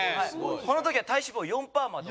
この時は体脂肪４パーまで。